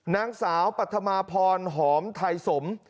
นางสาวปัธมาพรหอมไทยสม